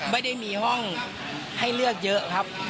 ไม่ได้มีห้องให้เลือกเยอะครับ